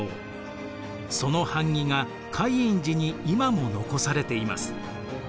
その版木が海印寺に今も残されています。